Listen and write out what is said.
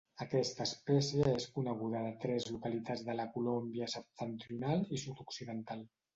Aquesta espècie és coneguda de tres localitats de la Colòmbia septentrional i sud-occidental.